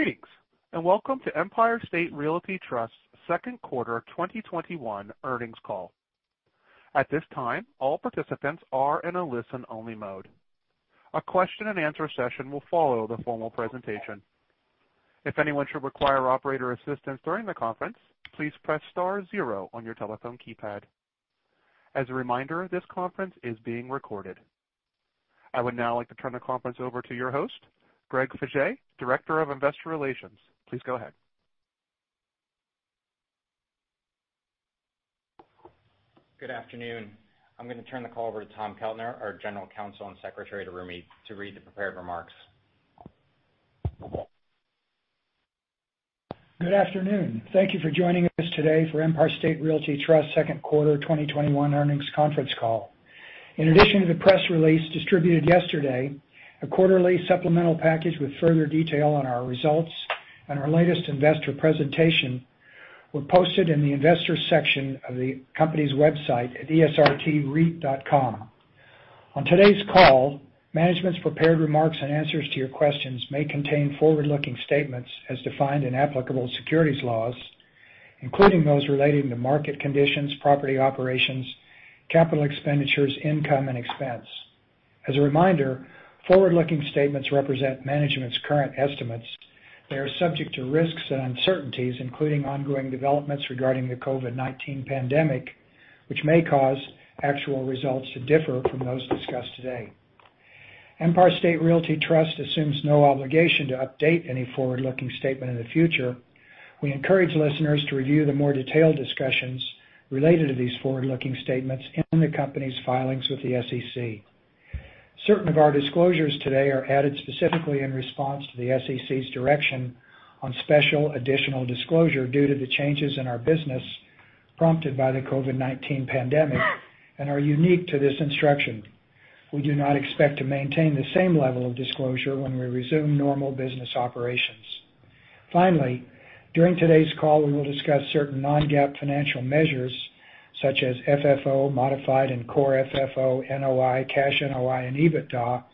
Greetings, and welcome to Empire State Realty Trust second quarter 2021 earnings call. At this time, all participants are in a listen-only mode. A question-and-answer session will follow the formal presentation. If anyone should require operator assistance during the conference, please press star zero on your telephone keypad. As a reminder, this conference is being recorded. I would now like to turn the conference over to your host, Greg Faje, Director of Investor Relations. Please go ahead. Good afternoon. I'm going to turn the call over to Tom Keltner, our General Counsel and Secretary to read the prepared remarks. Good afternoon. Thank you for joining us today for Empire State Realty Trust second quarter 2021 earnings conference call. In addition to the press release distributed yesterday, a quarterly supplemental package with further detail on our results and our latest investor presentation were posted in the investors section of the company's website at esrtreit.com. On today's call, management's prepared remarks and answers to your questions may contain forward-looking statements as defined in applicable securities laws, including those relating to market conditions, property operations, capital expenditures, income, and expense. As a reminder, forward-looking statements represent management's current estimates. They are subject to risks and uncertainties, including ongoing developments regarding the COVID-19 pandemic, which may cause actual results to differ from those discussed today. Empire State Realty Trust assumes no obligation to update any forward-looking statement in the future. We encourage listeners to review the more detailed discussions related to these forward-looking statements in the company's filings with the SEC. Certain of our disclosures today are added specifically in response to the SEC's direction on special additional disclosure due to the changes in our business prompted by the COVID-19 pandemic and are unique to this instruction. We do not expect to maintain the same level of disclosure when we resume normal business operations. Finally, during today's call, we will discuss certain non-GAAP financial measures such as FFO, modified and core FFO, NOI, cash NOI, and EBITDA,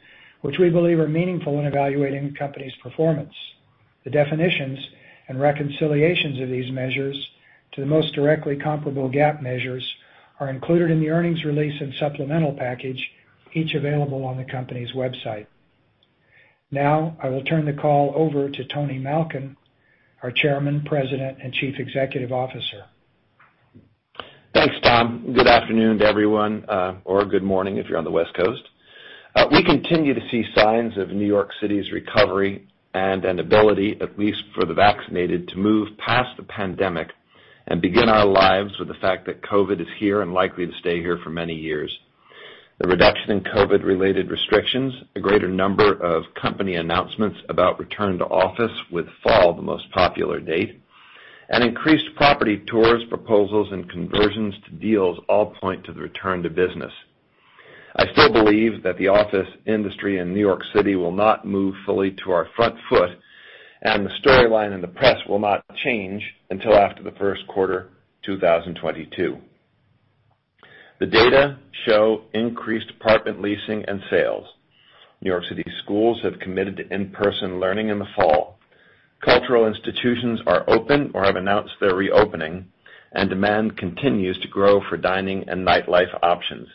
which we believe are meaningful in evaluating the company's performance. The definitions and reconciliations of these measures to the most directly comparable GAAP measures are included in the earnings release and supplemental package, each available on the company's website. Now, I will turn the call over to Tony Malkin, our Chairman, President, and Chief Executive Officer. Thanks, Tom. Good afternoon to everyone, or good morning if you're on the West Coast. We continue to see signs of New York City's recovery and an ability, at least for the vaccinated, to move past the pandemic and begin our lives with the fact that COVID is here and likely to stay here for many years. The reduction in COVID-related restrictions, a greater number of company announcements about return to office with fall the most popular date, and increased property tours, proposals, and conversions to deals all point to the return to business. I still believe that the office industry in New York City will not move fully to our front foot, and the storyline in the press will not change until after the first quarter 2022. The data show increased apartment leasing and sales. New York City schools have committed to in-person learning in the fall. Cultural institutions are open or have announced their reopening, and demand continues to grow for dining and nightlife options.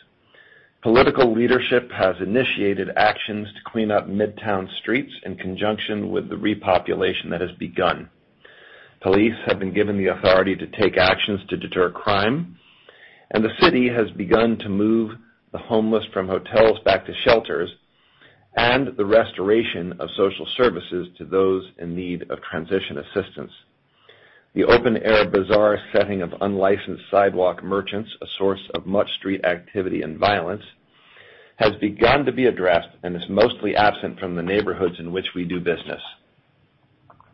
Political leadership has initiated actions to clean up Midtown streets in conjunction with the repopulation that has begun. Police have been given the authority to take actions to deter crime, and the city has begun to move the homeless from hotels back to shelters, and the restoration of social services to those in need of transition assistance. The open-air bazaar setting of unlicensed sidewalk merchants, a source of much street activity and violence, has begun to be addressed and is mostly absent from the neighborhoods in which we do business.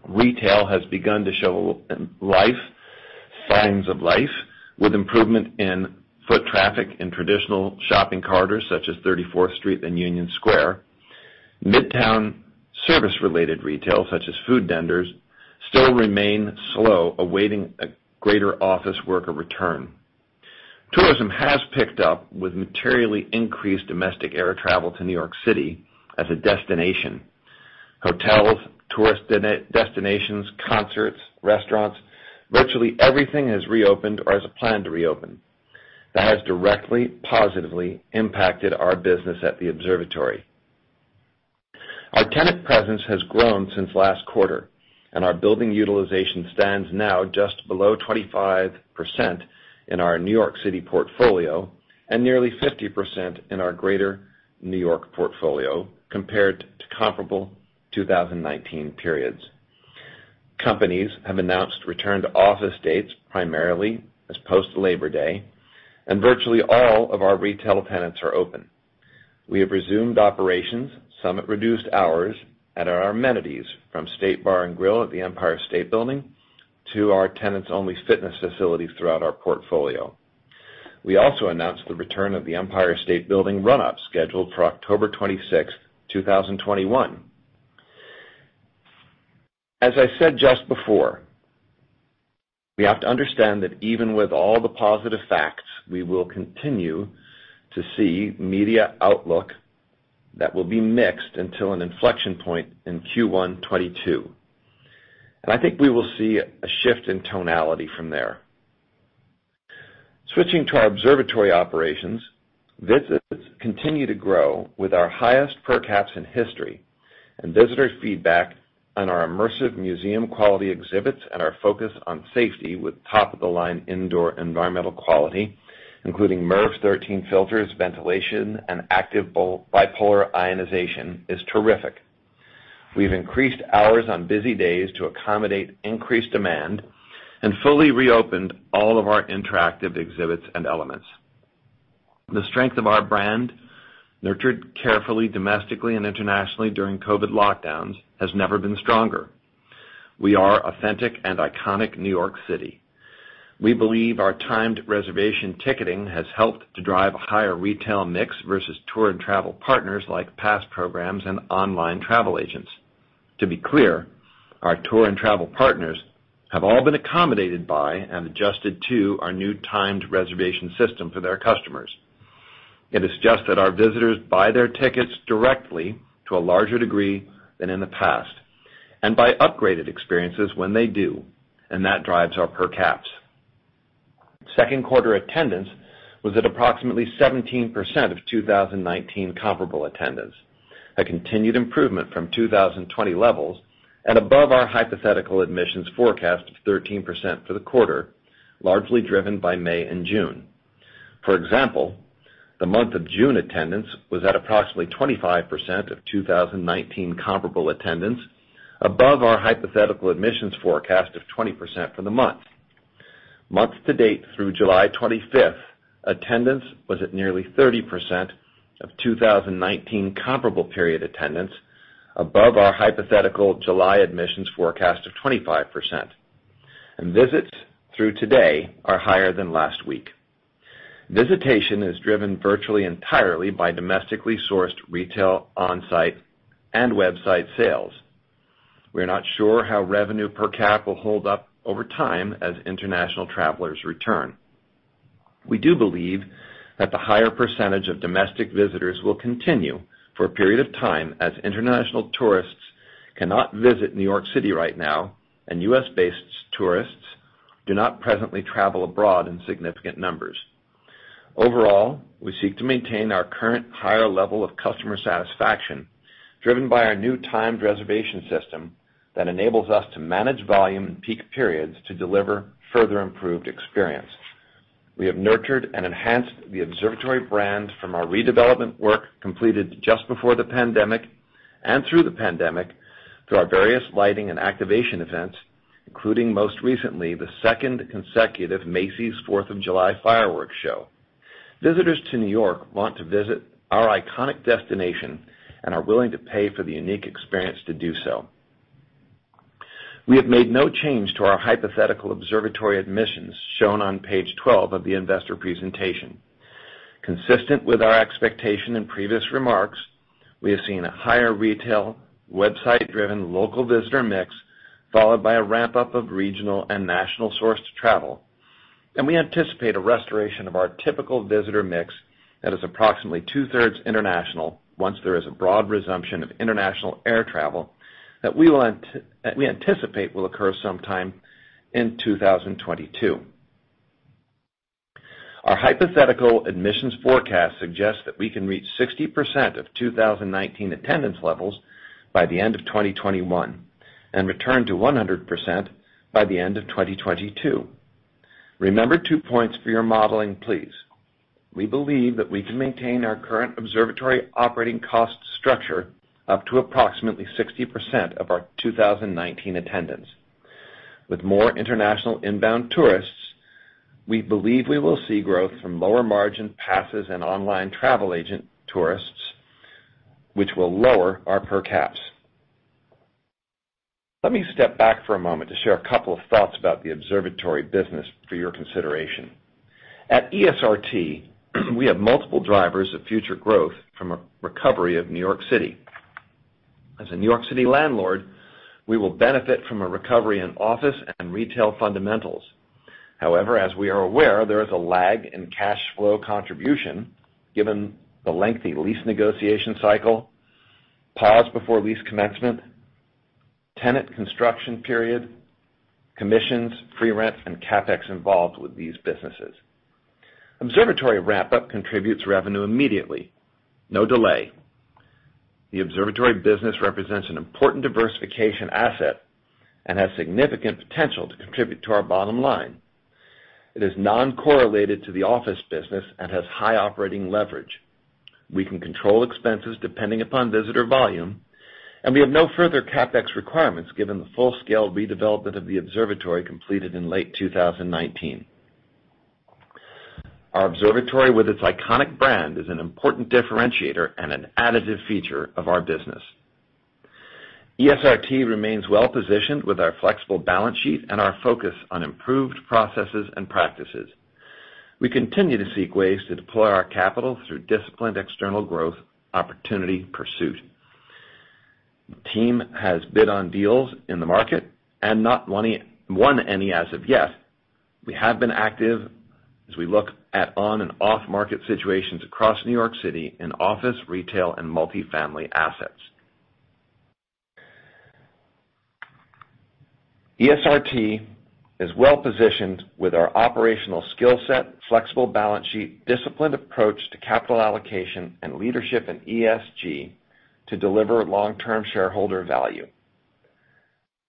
Retail has begun to show signs of life with improvement in foot traffic in traditional shopping corridors such as 34th Street and Union Square. Midtown service-related retail, such as food vendors, still remain slow, awaiting a greater office worker return. Tourism has picked up with materially increased domestic air travel to New York City as a destination. Hotels, tourist destinations, concerts, restaurants, virtually everything has reopened or has a plan to reopen. That has directly positively impacted our business at the Observatory. Our tenant presence has grown since last quarter, and our building utilization stands now just below 25% in our New York City portfolio and nearly 50% in our greater New York portfolio compared to comparable 2019 periods. Companies have announced return to office dates primarily as post-Labor Day, and virtually all of our retail tenants are open. We have resumed operations, some at reduced hours, at our amenities from STATE Grill and Bar at the Empire State Building to our tenants-only fitness facilities throughout our portfolio. We also announced the return of the Empire State Building Run-Up scheduled for October 26th, 2021. As I said just before, we have to understand that even with all the positive facts, we will continue to see media outlook that will be mixed until an inflection point in Q1 2022. I think we will see a shift in tonality from there. Switching to our Observatory operations, visits continue to grow with our highest per caps in history and visitor feedback on our immersive museum-quality exhibits and our focus on safety with top-of-the-line indoor environmental quality, including MERV 13 filters, ventilation, and active bipolar ionization is terrific. We've increased hours on busy days to accommodate increased demand and fully reopened all of our interactive exhibits and elements. The strength of our brand, nurtured carefully domestically and internationally during COVID lockdowns, has never been stronger. We are authentic and iconic New York City. We believe our timed reservation ticketing has helped to drive a higher retail mix versus tour and travel partners like pass programs and online travel agents. To be clear, our tour and travel partners have all been accommodated by and adjusted to our new timed reservation system for their customers. It is just that our visitors buy their tickets directly to a larger degree than in the past, and buy upgraded experiences when they do, and that drives our per caps. Second quarter attendance was at approximately 17% of 2019 comparable attendance, a continued improvement from 2020 levels and above our hypothetical admissions forecast of 13% for the quarter, largely driven by May and June. For example, the month of June attendance was at approximately 25% of 2019 comparable attendance, above our hypothetical admissions forecast of 20% for the month. Month to date through July 25th, attendance was at nearly 30% of 2019 comparable period attendance, above our hypothetical July admissions forecast of 25%. Visits through today are higher than last week. Visitation is driven virtually entirely by domestically sourced retail, onsite and website sales. We are not sure how revenue per cap will hold up over time as international travelers return. We do believe that the higher percentage of domestic visitors will continue for a period of time as international tourists cannot visit New York City right now, and U.S.-based tourists do not presently travel abroad in significant numbers. Overall, we seek to maintain our current higher level of customer satisfaction driven by our new timed reservation system that enables us to manage volume in peak periods to deliver further improved experience. We have nurtured and enhanced the Observatory brand from our redevelopment work completed just before the pandemic and through the pandemic through our various lighting and activation events, including most recently, the second consecutive Macy's 4th of July Fireworks Show. Visitors to New York want to visit our iconic destination and are willing to pay for the unique experience to do so. We have made no change to our hypothetical Observatory admissions shown on page 12 of the investor presentation. Consistent with our expectation in previous remarks, we have seen a higher retail, website-driven local visitor mix, followed by a ramp-up of regional and national sourced travel, and we anticipate a restoration of our typical visitor mix that is approximately 2/3 international once there is a broad resumption of international air travel that we anticipate will occur sometime in 2022. Our hypothetical admissions forecast suggests that we can reach 60% of 2019 attendance levels by the end of 2021 and return to 100% by the end of 2022. Remember two points for your modeling, please. We believe that we can maintain our current Observatory operating cost structure up to approximately 60% of our 2019 attendance. With more international inbound tourists, we believe we will see growth from lower margin passes and online travel agent tourists, which will lower our per caps. Let me step back for a moment to share a couple of thoughts about the Observatory business for your consideration. At ESRT, we have multiple drivers of future growth from a recovery of New York City. As a New York City landlord, we will benefit from a recovery in office and retail fundamentals. However, as we are aware, there is a lag in cash flow contribution given the lengthy lease negotiation cycle, pause before lease commencement, tenant construction period, commissions, free rent, and CapEx involved with these businesses. Observatory ramp-up contributes revenue immediately, no delay. The Observatory business represents an important diversification asset and has significant potential to contribute to our bottom line. It is non-correlated to the office business and has high operating leverage. We can control expenses depending upon visitor volume, and we have no further CapEx requirements given the full-scale redevelopment of the Observatory completed in late 2019. Our Observatory, with its iconic brand, is an important differentiator and an additive feature of our business. ESRT remains well-positioned with our flexible balance sheet and our focus on improved processes and practices. We continue to seek ways to deploy our capital through disciplined external growth opportunity pursuit. Our team has bid on deals in the market and not won any as of yet. We have been active as we look at on and off-market situations across New York City in office, retail, and multifamily assets. ESRT is well-positioned with our operational skill set, flexible balance sheet, disciplined approach to capital allocation, and leadership in ESG to deliver long-term shareholder value.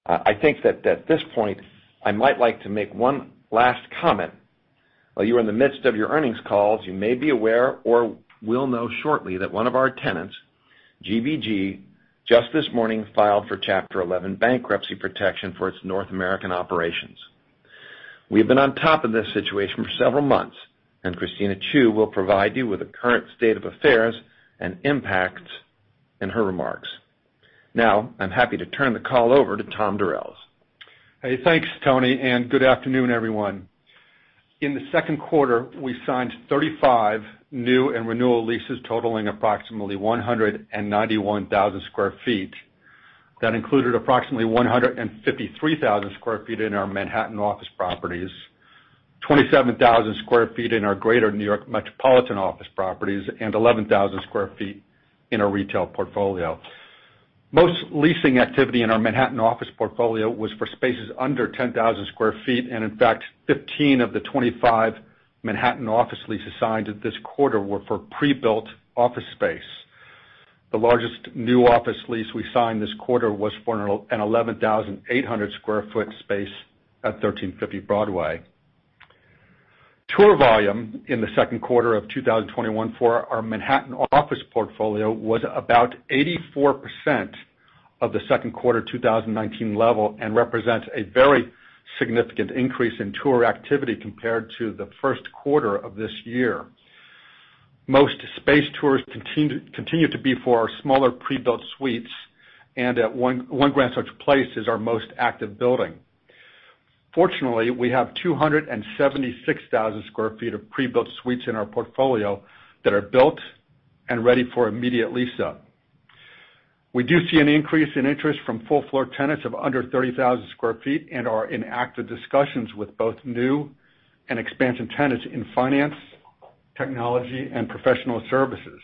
I think that at this point, I might like to make one last comment. While you're in the midst of your earnings calls, you may be aware or will know shortly that one of our tenants, GBG, just this morning filed for Chapter 11 bankruptcy protection for its North American operations. We have been on top of this situation for several months, and Christina Chiu will provide you with a current state of affairs and impacts in her remarks. Now, I'm happy to turn the call over to Tom Durels. Hey, thanks, Tony. Good afternoon, everyone. In the second quarter, we signed 35 new and renewal leases totaling approximately 191,000 sq ft. That included approximately 153,000 sq ft in our Manhattan office properties, 27,000 sq ft in our Greater New York Metropolitan office properties, and 11,000 sq ft in our retail portfolio. Most leasing activity in our Manhattan office portfolio was for spaces under 10,000 sq ft, and in fact, 15 of the 25 Manhattan office leases signed this quarter were for pre-built office space. The largest new office lease we signed this quarter was for an 11,800 sq ft space at 1350 Broadway. Tour volume in the second quarter of 2021 for our Manhattan office portfolio was about 84% of the second quarter 2019 level and represents a very significant increase in tour activity compared to the first quarter of this year. Most space tours continued to be for our smaller pre-built suites, and One Grand Central Place is our most active building. Fortunately, we have 276,000 sq ft of pre-built suites in our portfolio that are built and ready for immediate lease-up. We do see an increase in interest from full floor tenants of under 30,000 sq ft and are in active discussions with both new and expansion tenants in finance, technology, and professional services.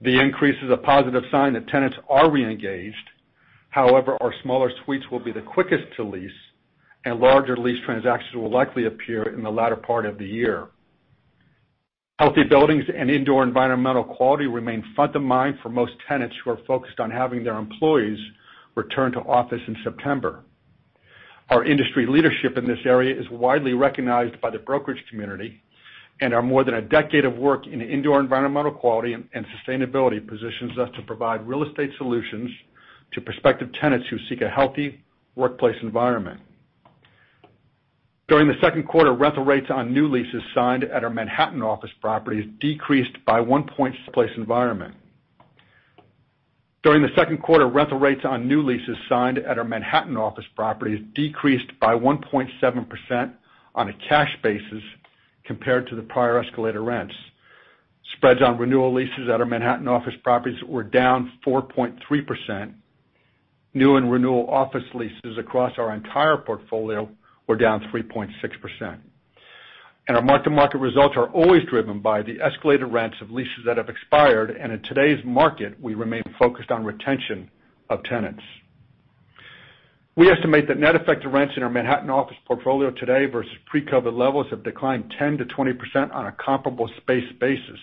The increase is a positive sign that tenants are re-engaged. However, our smaller suites will be the quickest to lease, and larger lease transactions will likely appear in the latter part of the year. Healthy buildings and indoor environmental quality remain front of mind for most tenants who are focused on having their employees return to office in September. Our industry leadership in this area is widely recognized by the brokerage community. Our more than a decade of work in indoor environmental quality and sustainability positions us to provide real estate solutions to prospective tenants who seek a healthy workplace environment. During the second quarter, rental rates on new leases signed at our Manhattan office properties decreased by 1.7% on a cash basis compared to the prior escalator rents. Spreads on renewal leases at our Manhattan office properties were down 4.3%. New and renewal office leases across our entire portfolio were down 3.6%. Our mark-to-market results are always driven by the escalated rents of leases that have expired. In today's market, we remain focused on retention of tenants. We estimate that net effect of rents in our Manhattan office portfolio today versus pre-COVID levels have declined 10%-20% on a comparable space basis.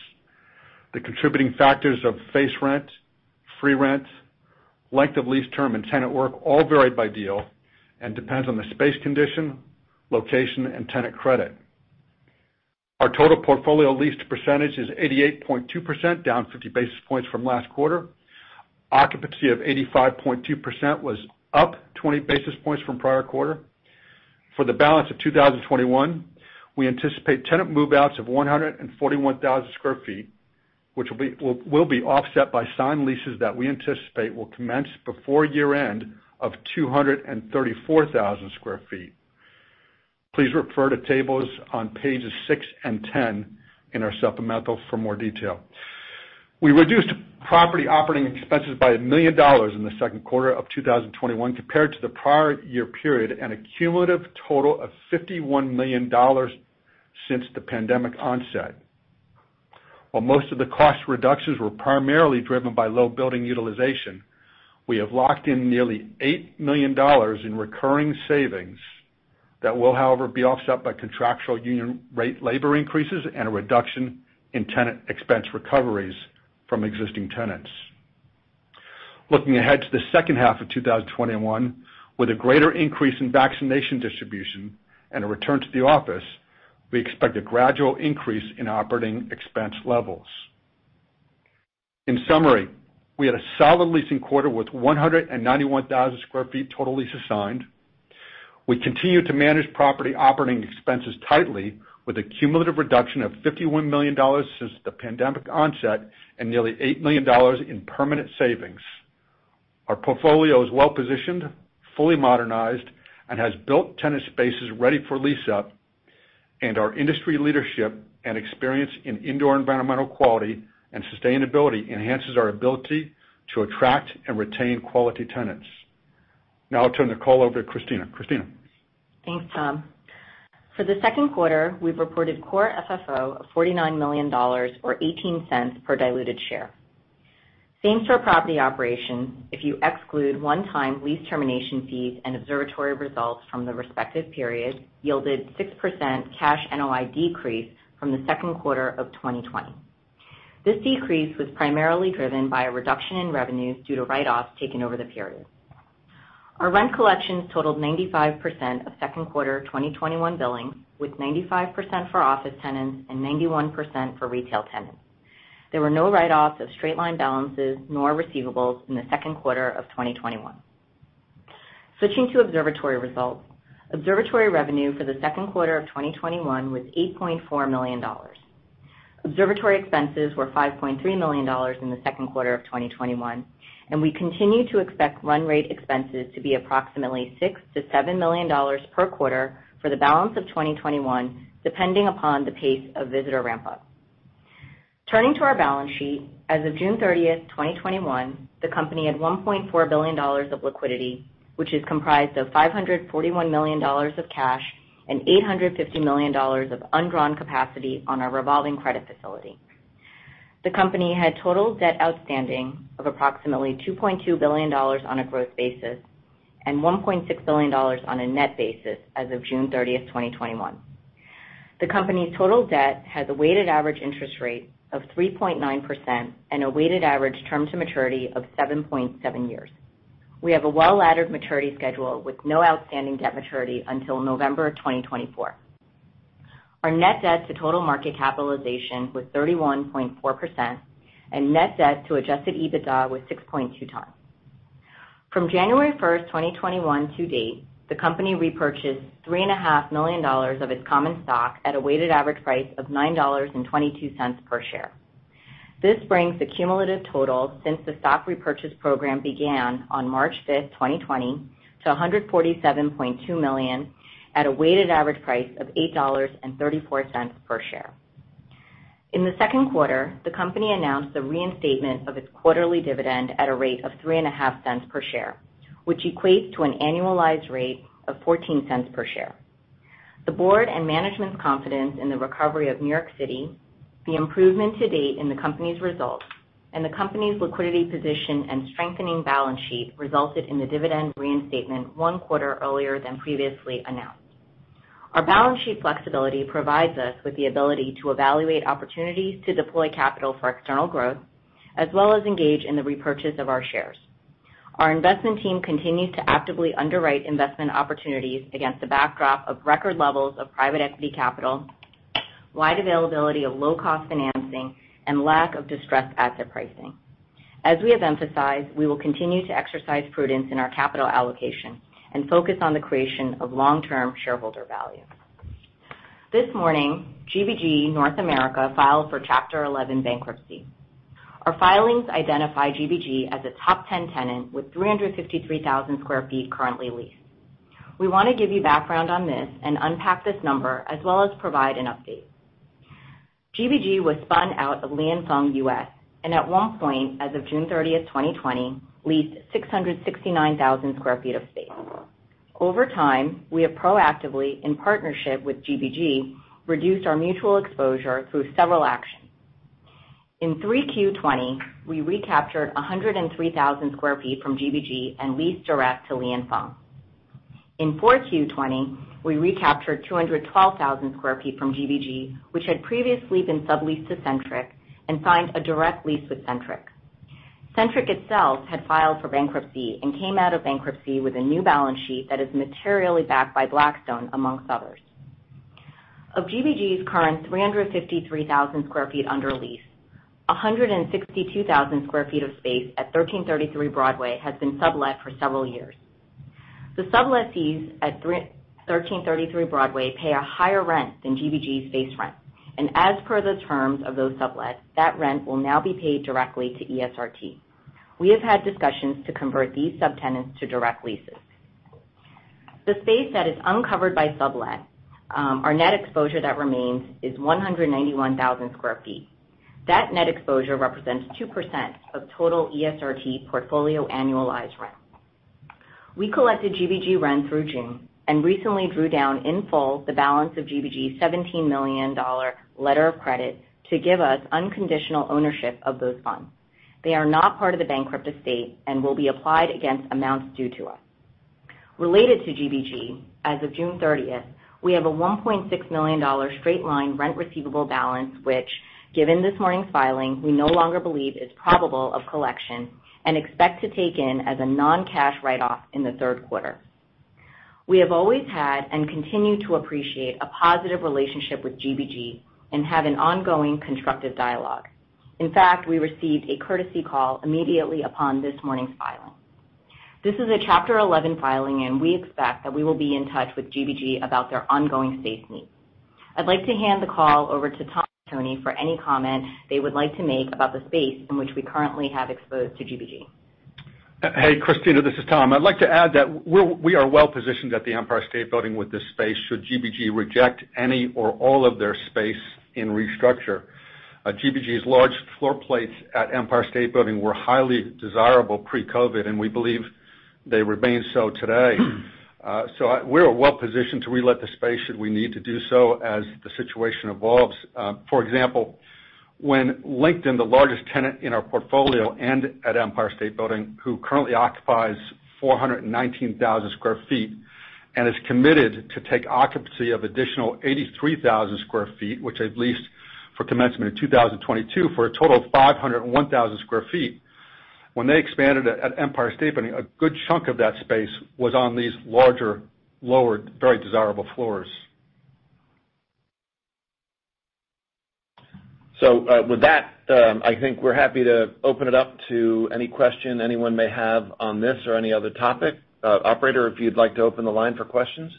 The contributing factors of face rent, free rent, length of lease term, and tenant work all vary by deal and depends on the space condition, location, and tenant credit. Our total portfolio leased percentage is 88.2%, down 50 basis points from last quarter. Occupancy of 85.2% was up 20 basis points from prior quarter. For the balance of 2021, we anticipate tenant move-outs of 141,000 sq ft, which will be offset by signed leases that we anticipate will commence before year-end of 234,000 sq ft. Please refer to tables on pages six and 10 in our supplemental for more detail. We reduced property operating expenses by $1 million in the second quarter of 2021 compared to the prior year period and a cumulative total of $51 million since the pandemic onset. While most of the cost reductions were primarily driven by low building utilization, we have locked in nearly $8 million in recurring savings. That will, however, be offset by contractual union labor increases and a reduction in tenant expense recoveries from existing tenants. Looking ahead to the second half of 2021, with a greater increase in vaccination distribution and a return to the office, we expect a gradual increase in operating expense levels. In summary, we had a solid leasing quarter with 191,000 sq ft total leases signed. We continue to manage property operating expenses tightly with a cumulative reduction of $51 million since the pandemic onset and nearly $8 million in permanent savings. Our portfolio is well-positioned, fully modernized, and has built tenant spaces ready for lease-up. Our industry leadership and experience in indoor environmental quality and sustainability enhances our ability to attract and retain quality tenants. Now I'll turn the call over to Christina. Christina? Thanks, Tom. For the second quarter, we've reported core FFO of $49 million, or $0.18 per diluted share. Same-store property operation, if you exclude one-time lease termination fees and Observatory results from the respective period, yielded 6% cash NOI decrease from the second quarter of 2020. This decrease was primarily driven by a reduction in revenues due to write-offs taken over the period. Our rent collections totaled 95% of second quarter 2021 billings, with 95% for office tenants and 91% for retail tenants. There were no write-offs of straight-line balances nor receivables in the second quarter of 2021. Switching to Observatory results, Observatory revenue for the second quarter of 2021 was $8.4 million. Observatory expenses were $5.3 million in the second quarter of 2021, and we continue to expect run rate expenses to be approximately $6 million-$7 million per quarter for the balance of 2021, depending upon the pace of visitor ramp-up. Turning to our balance sheet, as of June 30th, 2021, the company had $1.4 billion of liquidity, which is comprised of $541 million of cash and $850 million of undrawn capacity on our revolving credit facility. The company had total debt outstanding of approximately $2.2 billion on a gross basis and $1.6 billion on a net basis as of June 30th, 2021. The company's total debt has a weighted average interest rate of 3.9% and a weighted average term to maturity of 7.7 years. We have a well-laddered maturity schedule with no outstanding debt maturity until November of 2024. Our net debt to total market capitalization was 31.4%, and net debt to adjusted EBITDA was 6.2x. From January 1st, 2021, to date, the company repurchased $3.5 million of its common stock at a weighted average price of $9.22 per share. This brings the cumulative total since the stock repurchase program began on March 5th, 2020, to $147.2 million at a weighted average price of $8.34 per share. In the second quarter, the company announced the reinstatement of its quarterly dividend at a rate of $0.035 per share, which equates to an annualized rate of $0.14 per share. The board and management's confidence in the recovery of New York City, the improvement to date in the company's results, and the company's liquidity position and strengthening balance sheet resulted in the dividend reinstatement one quarter earlier than previously announced. Our balance sheet flexibility provides us with the ability to evaluate opportunities to deploy capital for external growth, as well as engage in the repurchase of our shares. Our investment team continues to actively underwrite investment opportunities against the backdrop of record levels of private equity capital, wide availability of low-cost financing, and lack of distressed asset pricing. As we have emphasized, we will continue to exercise prudence in our capital allocation and focus on the creation of long-term shareholder value. This morning, GBG North America filed for Chapter 11 bankruptcy. Our filings identify GBG as a top 10 tenant with 353,000 sq ft currently leased. We want to give you background on this and unpack this number, as well as provide an update. GBG was spun out of Li & Fung U.S. At one point, as of June 30, 2020, leased 669,000 sq ft of space. Over time, we have proactively, in partnership with GBG, reduced our mutual exposure through several actions. In 3Q 2020, we recaptured 103,000 sq ft from GBG and leased direct to Li & Fung. In 4Q 2020, we recaptured 212,000 sq ft from GBG, which had previously been subleased to Centric, and signed a direct lease with Centric. Centric itself had filed for bankruptcy and came out of bankruptcy with a new balance sheet that is materially backed by Blackstone, amongst others. Of GBG's current 353,000 sq ft under lease, 162,000 sq ft of space at 1333 Broadway has been sublet for several years. The sublessees at 1333 Broadway pay a higher rent than GBG's base rent, and as per the terms of those sublet, that rent will now be paid directly to ESRT. We have had discussions to convert these subtenants to direct leases. The space that is uncovered by sublet, our net exposure that remains is 191,000 sq ft. That net exposure represents 2% of total ESRT portfolio annualized rent. We collected GBG rent through June and recently drew down in full the balance of GBG's $17 million letter of credit to give us unconditional ownership of those funds. They are not part of the bankrupt estate and will be applied against amounts due to us. Related to GBG, as of June 30th, we have a $1.6 million straight-line rent receivable balance, which, given this morning's filing, we no longer believe is probable of collection and expect to take in as a non-cash write-off in the third quarter. We have always had and continue to appreciate a positive relationship with GBG and have an ongoing constructive dialogue. In fact, we received a courtesy call immediately upon this morning's filing. This is a Chapter 11 filing, and we expect that we will be in touch with GBG about their ongoing space needs. I'd like to hand the call over to Tom or Tony for any comment they would like to make about the space in which we currently have exposed to GBG. Hey, Christina, this is Tom. I'd like to add that we are well-positioned at the Empire State Building with this space should GBG reject any or all of their space in restructure. GBG's large floor plates at Empire State Building were highly desirable pre-COVID, and we believe they remain so today. We're well-positioned to relet the space should we need to do so as the situation evolves. For example, when LinkedIn, the largest tenant in our portfolio and at Empire State Building, who currently occupies 419,000 sq ft and is committed to take occupancy of additional 83,000 sq ft, which it leased for commencement in 2022 for a total of 501,000 sq ft. When they expanded at Empire State Building, a good chunk of that space was on these larger, lower, very desirable floors. With that, I think we're happy to open it up to any question anyone may have on this or any other topic. Operator, if you'd like to open the line for questions.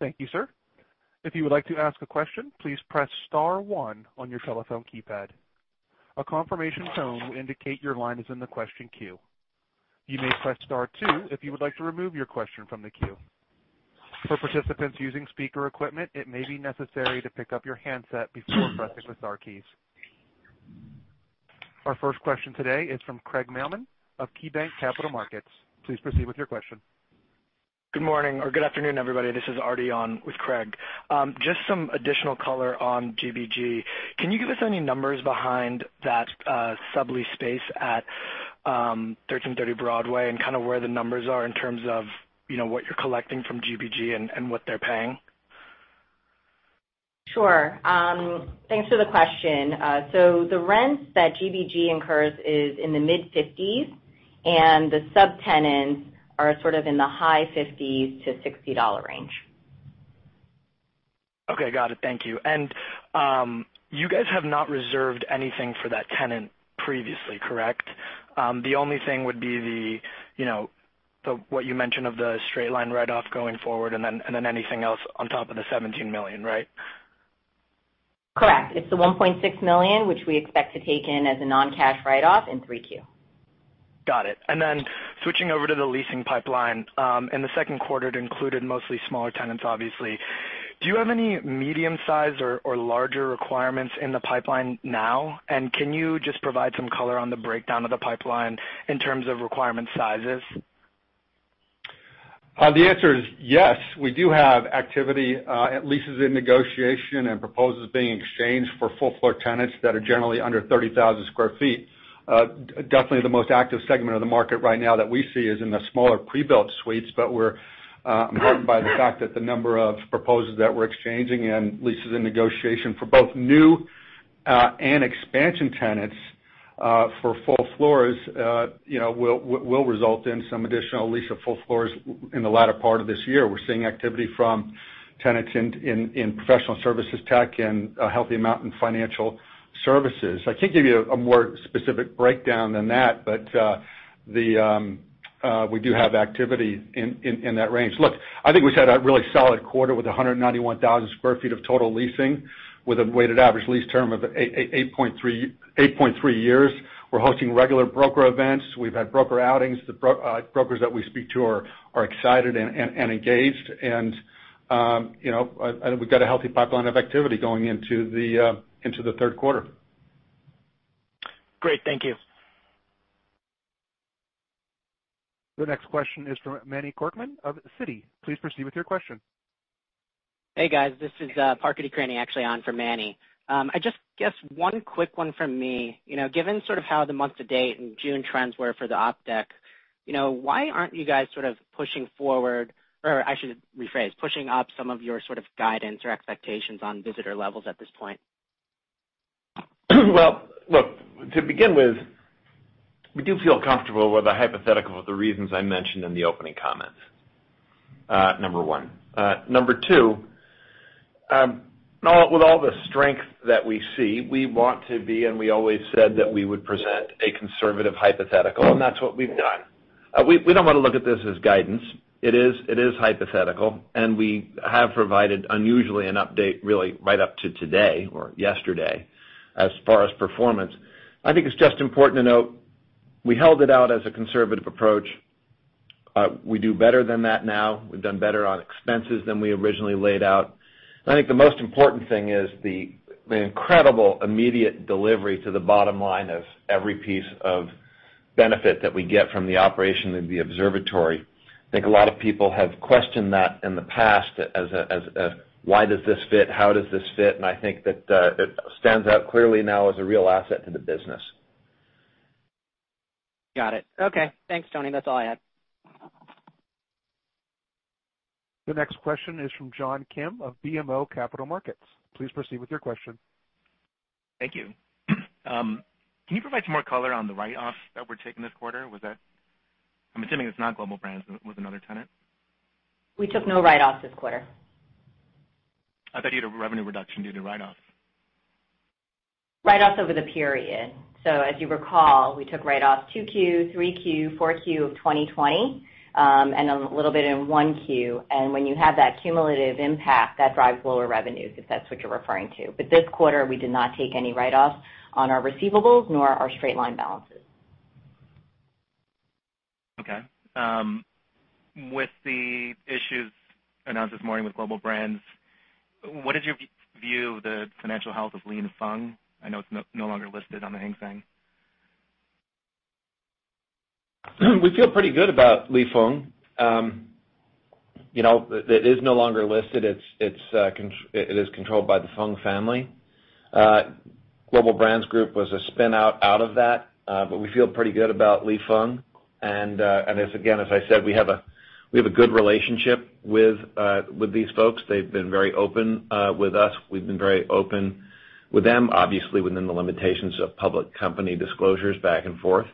Thank you, sir. If you would like to ask a question, please press star one on your telephone keypad. A confirmation tone will indicate your line is in the question queue. You may press star two if you would like to remove your question from the queue. For participants using speaker equipment, it may be necessary to pick up your handset before pressing the star keys. Our first question today is from Craig Mailman of KeyBanc Capital Markets. Please proceed with your question. Good morning or good afternoon, everybody. This is [Artie] on with Craig. Just some additional color on GBG. Can you give us any numbers behind that sublease space at 1330 Broadway and kind of where the numbers are in terms of what you're collecting from GBG and what they're paying? Sure. Thanks for the question. The rents that GBG incurs is in the mid 50s, and the subtenants are sort of in the high $50-$60 range. Okay, got it. Thank you. You guys have not reserved anything for that tenant previously, correct? The only thing would be what you mentioned of the straight line write-off going forward and then anything else on top of the $17 million, right? Correct. It's the $1.6 million, which we expect to take in as a non-cash write-off in 3Q. Got it. Switching over to the leasing pipeline. In the second quarter, it included mostly smaller tenants, obviously. Do you have any medium-size or larger requirements in the pipeline now? Can you just provide some color on the breakdown of the pipeline in terms of requirement sizes? The answer is yes. We do have activity, leases in negotiation and proposals being exchanged for full floor tenants that are generally under 30,000 sq ft. Definitely the most active segment of the market right now that we see is in the smaller pre-built suites, but we're heartened by the fact that the number of proposals that we're exchanging and leases in negotiation for both new and expansion tenants for full floors will result in some additional lease of full floors in the latter part of this year. We're seeing activity from tenants in professional services tech and a healthy amount in financial services. I can't give you a more specific breakdown than that, but we do have activity in that range. Look, I think we just had a really solid quarter with 191,000 sq ft of total leasing with a weighted average lease term of 8.3 years. We're hosting regular broker events. We've had broker outings. The brokers that we speak to are excited and engaged. We've got a healthy pipeline of activity going into the third quarter. Great. Thank you. The next question is from Manny Korchman of Citi. Please proceed with your question. Hey, guys, this is actually on for Manny. I just guess one quick one from me. Given sort of how the month to date and June trends were for the Ob deck, why aren't you guys sort of pushing up some of your sort of guidance or expectations on visitor levels at this point? Well, look, to begin with, we do feel comfortable with a hypothetical of the reasons I mentioned in the opening comments, number one. Number two, with all the strength that we see, we want to be and we always said that we would present a conservative hypothetical. That's what we've done. We don't want to look at this as guidance. It is hypothetical. We have provided unusually an update really right up to today or yesterday as far as performance. I think it's just important to note, we held it out as a conservative approach. We do better than that now. We've done better on expenses than we originally laid out. I think the most important thing is the incredible immediate delivery to the bottom line of every piece of benefit that we get from the operation of the Observatory. I think a lot of people have questioned that in the past as why does this fit? How does this fit? I think that it stands out clearly now as a real asset to the business. Got it. Okay. Thanks, Tony. That's all I had. The next question is from John Kim of BMO Capital Markets. Please proceed with your question. Thank you. Can you provide some more color on the write-offs that were taken this quarter? I'm assuming it's not Global Brands. Was it another tenant? We took no write-offs this quarter. I thought you had a revenue reduction due to write-offs. Write-offs over the period. As you recall, we took write-offs 2Q, 3Q, 4Q of 2020, and a little bit in 1Q. When you have that cumulative impact, that drives lower revenues, if that's what you're referring to. This quarter, we did not take any write-offs on our receivables nor our straight-line balances. Okay. With the issues announced this morning with Global Brands, what is your view of the financial health of Li & Fung? I know it's no longer listed on the Hang Seng. We feel pretty good about Li & Fung. It is no longer listed. It is controlled by the Fung family. Global Brands Group was a spin-out of that. We feel pretty good about Li & Fung. Again, as I said, we have a good relationship with these folks. They've been very open with us. We've been very open with them, obviously within the limitations of public company disclosures back and forth.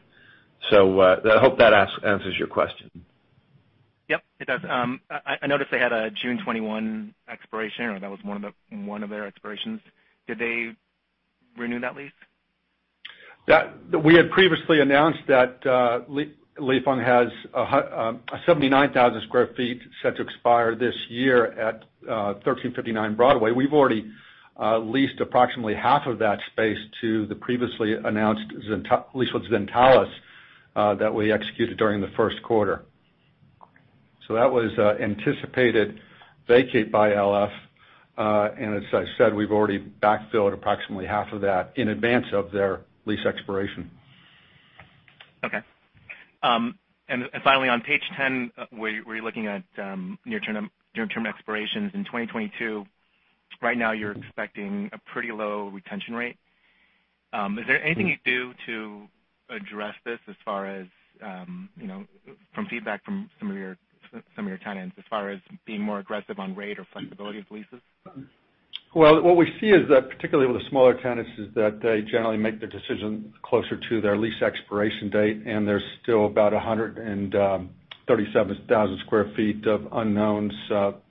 I hope that answers your question. Yep, it does. I noticed they had a June 21 expiration, or that was one of their expirations. Did they renew that lease? We had previously announced that Li & Fung has 79,000 sq ft set to expire this year at 1359 Broadway. We've already leased approximately half of that space to the previously announced lease with Zentalis that we executed during the first quarter. That was anticipated vacate by LF. As I said, we've already backfilled approximately half of that in advance of their lease expiration. Okay. Finally, on page 10, where you're looking at near-term expirations in 2022. Right now, you're expecting a pretty low retention rate. Is there anything you do to address this as far as from feedback from some of your tenants as far as being more aggressive on rate or flexibility of leases? Well, what we see is that, particularly with the smaller tenants, is that they generally make their decision closer to their lease expiration date, and there's still about 137,000 sq ft of unknowns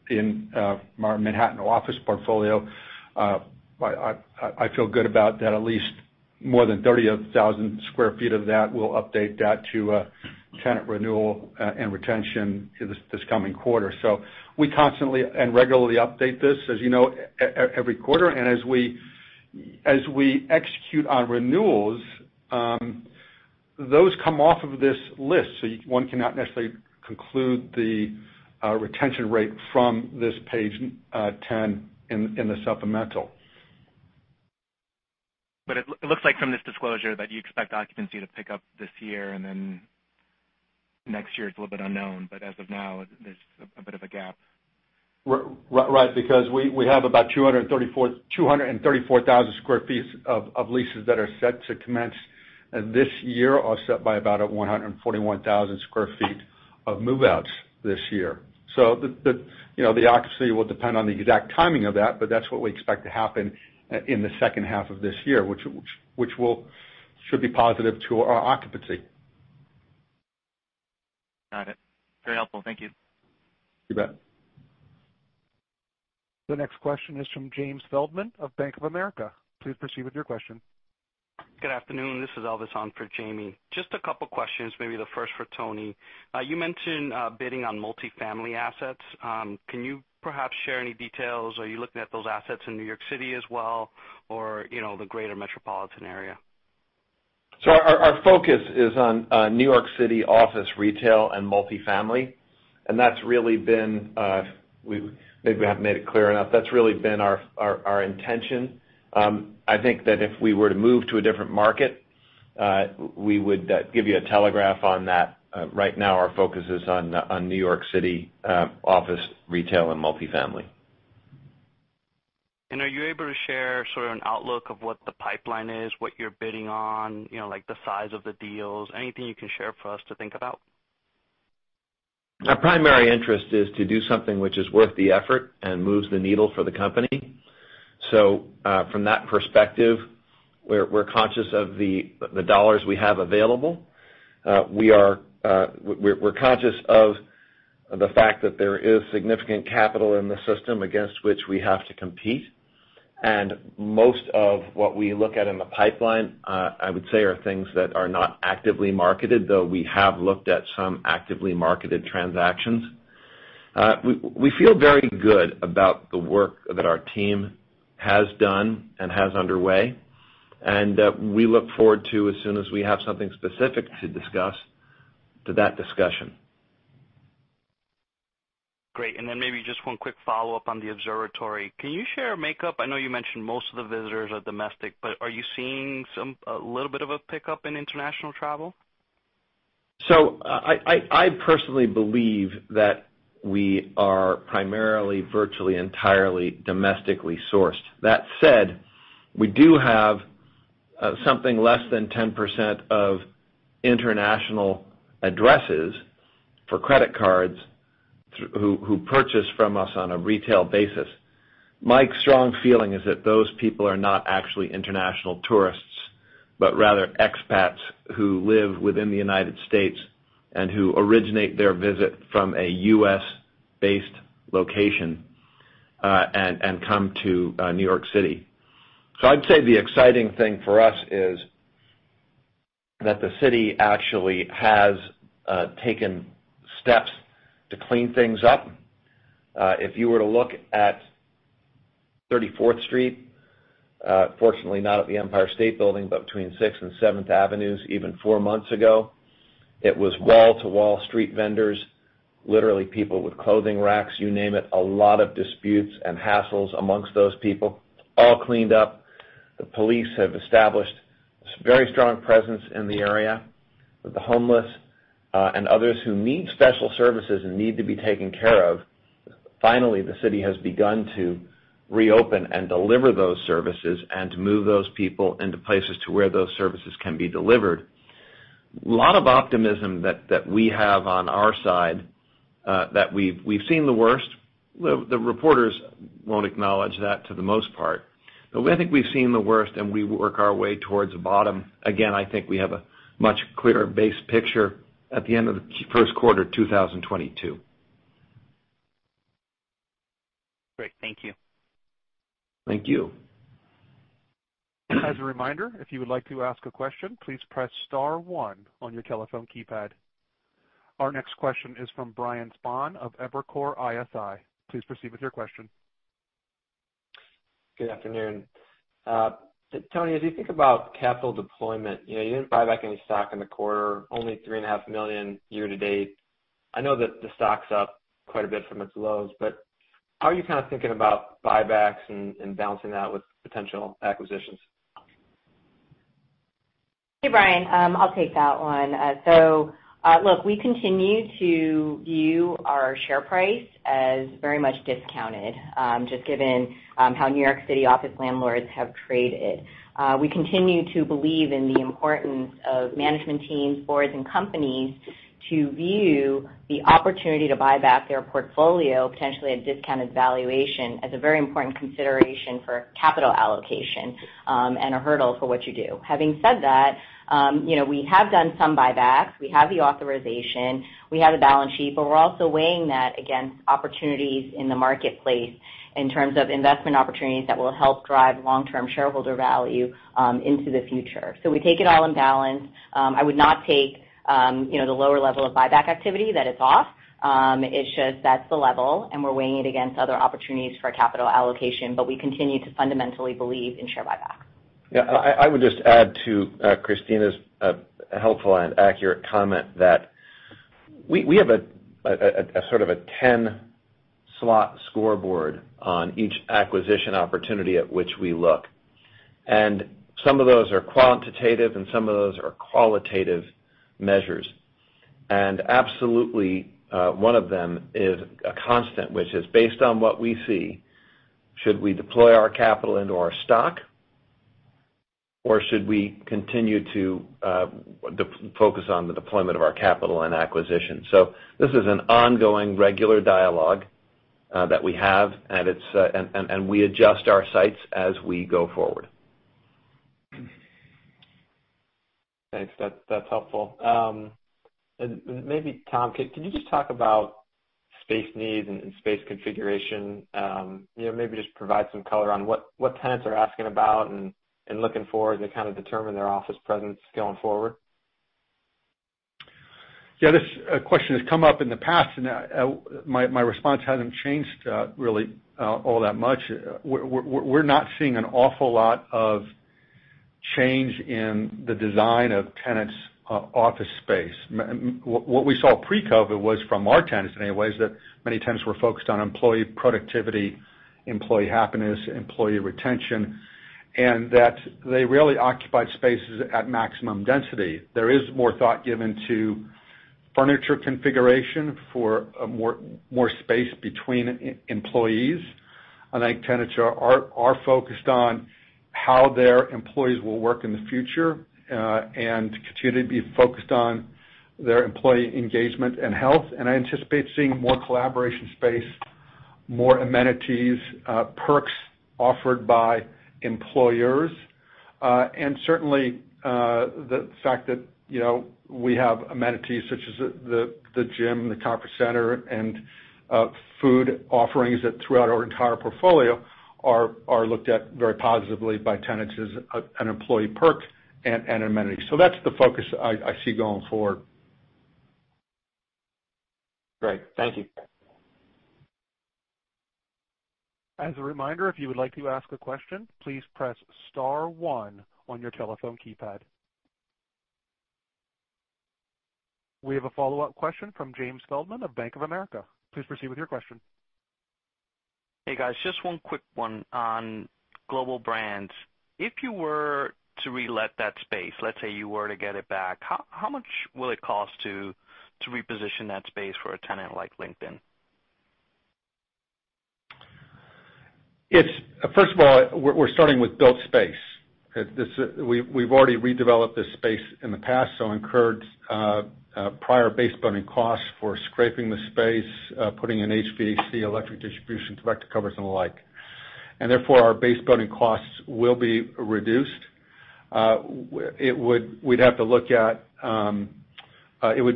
in our Manhattan office portfolio. I feel good about that. At least more than 30,000 sq ft of that, we'll update that to tenant renewal and retention this coming quarter. We constantly and regularly update this, as you know, every quarter. As we execute on renewals, those come off of this list. One cannot necessarily conclude the retention rate from this page 10 in the supplemental. It looks like from this disclosure that you expect occupancy to pick up this year and then next year it's a little bit unknown, but as of now, there's a bit of a gap. Right. We have about 234,000 sq ft of leases that are set to commence this year, offset by about 141,000 sq ft of move-outs this year. The occupancy will depend on the exact timing of that, but that's what we expect to happen in the second half of this year, which should be positive to our occupancy. Got it. Very helpful. Thank you. You bet. The next question is from James Feldman of Bank of America. Please proceed with your question. Good afternoon. This is Elvis on for Jamie. Just a couple questions, maybe the first for Tony. You mentioned bidding on multi-family assets. Can you perhaps share any details? Are you looking at those assets in New York City as well, or the greater metropolitan area? Our focus is on New York City office retail and multi-family, and that's really been, maybe I haven't made it clear enough, that's really been our intention. I think that if we were to move to a different market, we would give you a telegraph on that. Right now, our focus is on New York City office retail and multi-family. Are you able to share sort of an outlook of what the pipeline is, what you're bidding on, like the size of the deals, anything you can share for us to think about? Our primary interest is to do something which is worth the effort and moves the needle for the company. From that perspective, we're conscious of the dollars we have available. We're conscious of the fact that there is significant capital in the system against which we have to compete. Most of what we look at in the pipeline, I would say, are things that are not actively marketed, though we have looked at some actively marketed transactions. We feel very good about the work that our team has done and has underway, and we look forward to, as soon as we have something specific to discuss, to that discussion. Great. Maybe just one quick follow-up on the Observatory. Can you share a makeup? I know you mentioned most of the visitors are domestic, but are you seeing a little bit of a pickup in international travel? I personally believe that we are primarily, virtually entirely domestically sourced. That said, we do have something less than 10% of international addresses for credit cards who purchase from us on a retail basis. My strong feeling is that those people are not actually international tourists, but rather expats who live within the United States and who originate their visit from a U.S.-based location and come to New York City. I'd say the exciting thing for us is that the city actually has taken steps to clean things up. If you were to look at 34th Street, fortunately, not at the Empire State Building, but between 6th and 7th Avenues, even four months ago. It was wall-to-wall street vendors, literally people with clothing racks, you name it, a lot of disputes and hassles amongst those people. All cleaned up. The police have established a very strong presence in the area. With the homeless and others who need special services and need to be taken care of, finally, the city has begun to reopen and deliver those services and to move those people into places to where those services can be delivered. A lot of optimism that we have on our side, that we've seen the worst. The reporters won't acknowledge that to the most part. I think we've seen the worst, and we work our way towards the bottom. Again, I think we have a much clearer base picture at the end of the first quarter 2022. Great. Thank you. Thank you. As a reminder, if you would like to ask a question, please press star one on your telephone keypad. Our next question is from Brian Spahn of Evercore ISI. Please proceed with your question. Good afternoon. Tony, as you think about capital deployment, you didn't buy back any stock in the quarter, only $3.5 million year to date. I know that the stock's up quite a bit from its lows, but how are you thinking about buybacks and balancing that with potential acquisitions? Hey, Brian. I'll take that one. Look, we continue to view our share price as very much discounted, just given how New York City office landlords have traded. We continue to believe in the importance of management teams, boards, and companies to view the opportunity to buy back their portfolio, potentially at discounted valuation, as a very important consideration for capital allocation, and a hurdle for what you do. Having said that, we have done some buybacks. We have the authorization. We have the balance sheet, but we're also weighing that against opportunities in the marketplace in terms of investment opportunities that will help drive long-term shareholder value into the future. We take it all in balance. I would not take the lower level of buyback activity that it's off. It's just that's the level, and we're weighing it against other opportunities for capital allocation. We continue to fundamentally believe in share buyback. Yeah. I would just add to Christina's helpful and accurate comment that we have a sort of a 10-slot scoreboard on each acquisition opportunity at which we look. Some of those are quantitative, and some of those are qualitative measures. Absolutely, one of them is a constant, which is based on what we see, should we deploy our capital into our stock, or should we continue to focus on the deployment of our capital and acquisition? This is an ongoing regular dialogue that we have, and we adjust our sights as we go forward. Thanks. That's helpful. Maybe Tom, can you just talk about space needs and space configuration? Maybe just provide some color on what tenants are asking about and looking for as they determine their office presence going forward. Yeah, this question has come up in the past, and my response hasn't changed really all that much. We're not seeing an awful lot of change in the design of tenants' office space. What we saw pre-COVID was from our tenants, in many ways, that many tenants were focused on employee productivity, employee happiness, employee retention, and that they rarely occupied spaces at maximum density. There is more thought given to furniture configuration for more space between employees. I think tenants are focused on how their employees will work in the future, and continue to be focused on their employee engagement and health. I anticipate seeing more collaboration space, more amenities, perks offered by employers. Certainly, the fact that we have amenities such as the gym, the conference center, and food offerings throughout our entire portfolio are looked at very positively by tenants as an employee perk and amenity. That's the focus I see going forward. Great. Thank you. As a reminder, if you would like to ask a question, please press star one on your telephone keypad. We have a follow-up question from James Feldman of Bank of America. Please proceed with your question. Hey, guys. Just one quick one on Global Brands. If you were to relet that space, let's say you were to get it back, how much will it cost to reposition that space for a tenant like LinkedIn? First of all, we're starting with built space. We've already redeveloped this space in the past, so incurred prior base building costs for scraping the space, putting in HVAC, electric distribution, convector covers, and the like. Therefore, our base building costs will be reduced. It would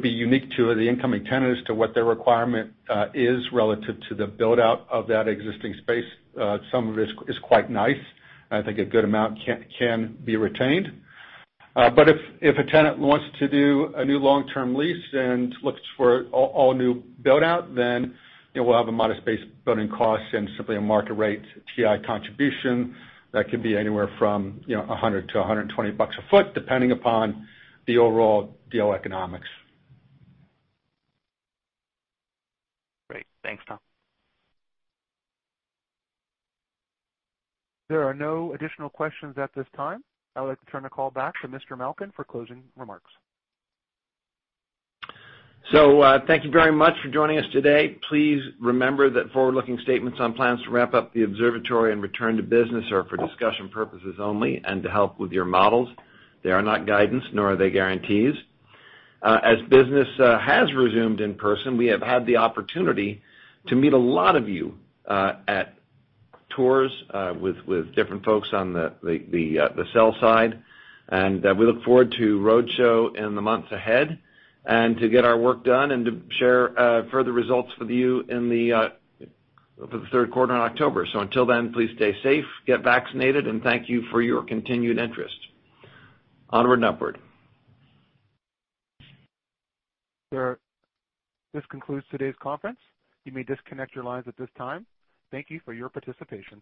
be unique to the incoming tenants to what their requirement is relative to the build-out of that existing space. Some of it is quite nice. I think a good amount can be retained. If a tenant wants to do a new long-term lease and looks for all new build-out, then we'll have a modest base building cost and simply a market rate TI contribution that could be anywhere from $100-$120 a foot, depending upon the overall deal economics. Great. Thanks, Tom. There are no additional questions at this time. I would like to turn the call back to Mr. Malkin for closing remarks. Thank you very much for joining us today. Please remember that forward-looking statements on plans to wrap up the Observatory and return to business are for discussion purposes only and to help with your models. They are not guidance, nor are they guarantees. As business has resumed in person, we have had the opportunity to meet a lot of you at tours with different folks on the sell side. We look forward to roadshow in the months ahead and to get our work done and to share further results with you for the third quarter in October. Until then, please stay safe, get vaccinated, and thank you for your continued interest. Onward and upward. This concludes today's conference. You may disconnect your lines at this time. Thank you for your participation.